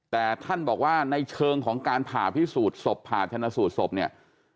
แต่ท่านบอกว่าในเชิงของการผ่าพิสูจน์ศพผ่าชนะสูตรศพเนี่ย